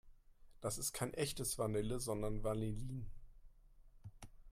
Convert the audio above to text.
Das ist kein echtes Vanille, sondern Vanillin.